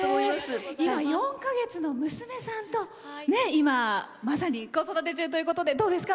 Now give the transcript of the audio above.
４か月の娘さんと今まさに子育て中ということでどうですか？